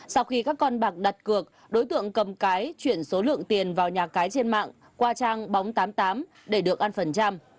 sau khi các con bạc đặt cược đối tượng cầm cái chuyển số lượng tiền vào nhà cái trên mạng qua trang bóng tám mươi tám để được ăn phần trăm